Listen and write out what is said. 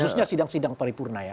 khususnya sidang sidang paripurna ya